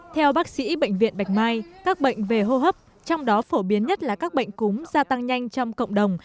theo bác sĩ bệnh viện bạch mai các bệnh về hô hấp trong đó phổ biến nhất là các bệnh cúm gia tăng nhanh trong cộng đồng